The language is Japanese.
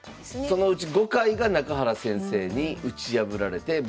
そのうち５回が中原先生に打ち破られて防衛されてます。